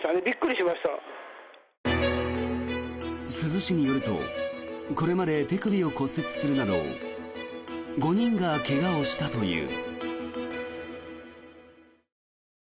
珠洲市によるとこれまで手首を骨折するなど５人が怪我をしたという。